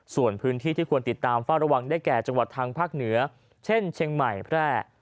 ส่วนพื้นที่ที่ควรติดตามเฝ้าระวังได้แก่จังหวัดทางภาคเหนือเช่นเชียงใหม่แพร่